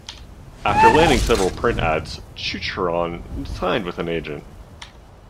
After landing several print ads, Chuchran signed with an agent.